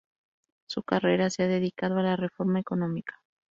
Su carrera se ha dedicado a la reforma económica.